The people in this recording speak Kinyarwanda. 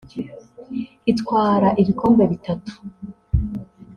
itwara ibikombe bitatu